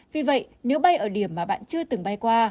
vì vậy nếu bay ở điểm mà bạn chưa từng bay qua